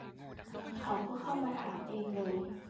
เขาก็เข้ามาถามเองเลย